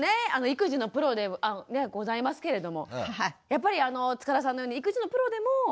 育児のプロでございますけれどもやっぱり塚田さんのように育児のプロでも迷うんですね？